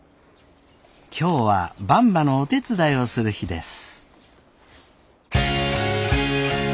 今日はばんばのお手伝いをする日です。